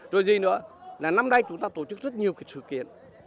rồi gì nữa là năm nay chúng ta tổ chức rất nhiều cái sự kiện